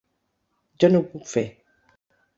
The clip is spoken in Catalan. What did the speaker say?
Jo no ho puc fer.